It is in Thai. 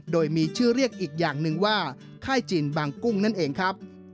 โดยมีชื่อเรียกอีกอย่างหนึ่งว่าค่ายจีนบางกุ้งนั่นเองครับ